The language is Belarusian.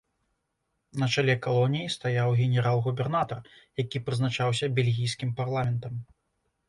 На чале калоніі стаяў генерал-губернатар, які прызначаўся бельгійскім парламентам.